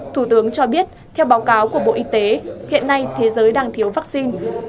thủ tướng cho biết theo báo cáo của bộ y tế hiện nay thế giới đang thiếu vaccine